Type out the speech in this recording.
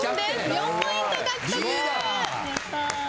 ４ポイント獲得。